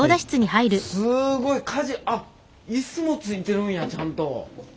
すごいあっ椅子もついてるんやちゃんと。